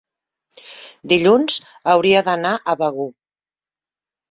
dilluns hauria d'anar a Begur.